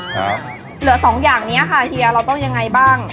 เหลือสองอย่างนี้ค่ะเฮียเราต้องยังไงบ้าง